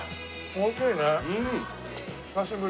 おいしい！